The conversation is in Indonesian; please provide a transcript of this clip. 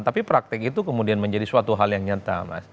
tapi praktik itu kemudian menjadi suatu hal yang nyata mas